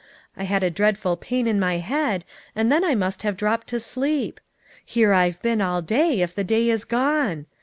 I had a dreadful pain in my head, and then I must have dropped to sleep. Here I've been all day, if the day is gone.